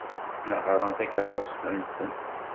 Nehhṛen takeṛṛust-nsen.